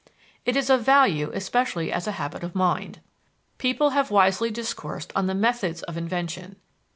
It is of value especially as a habit of mind. People have wisely discoursed on the "methods" of invention.